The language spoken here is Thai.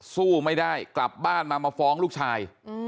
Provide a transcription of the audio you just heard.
สู้ไม่ได้กลับบ้านมามาฟ้องลูกชาย